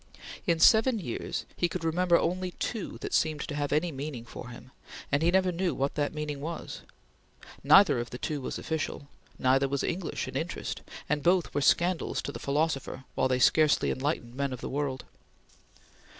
In seven years he could remember only two that seemed to have any meaning for him, and he never knew what that meaning was. Neither of the two was official; neither was English in interest; and both were scandals to the philosopher while they scarcely enlightened men of the world.